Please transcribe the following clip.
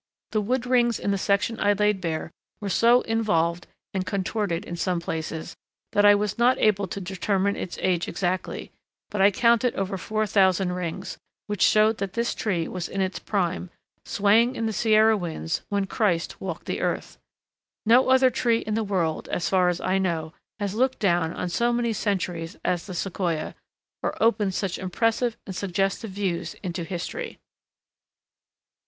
The wood rings in the section I laid bare were so involved and contorted in some places that I was not able to determine its age exactly, but I counted over 4000 rings, which showed that this tree was in its prime, swaying in the Sierra winds, when Christ walked the earth. No other tree in the world, as far as I know, has looked down on so many centuries as the Sequoia, or opens such impressive and suggestive views into history.